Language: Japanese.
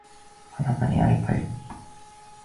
あなたに会いたい